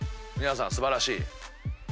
皆さん素晴らしい。